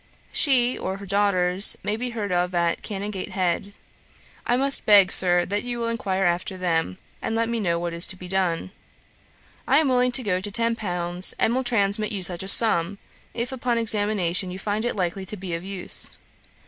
She, or her daughters, may be heard of at Canongate Head. I must beg, Sir, that you will enquire after them, and let me know what is to be done. I am willing to go to ten pounds, and will transmit you such a sum, if upon examination you find it likely to be of use.